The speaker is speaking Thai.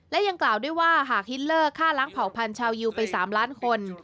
และยังกล่าวด้วยว่าหากฮิลเลอร์ค่าล้างเผ่าพันธยิวไป๓ล้านคน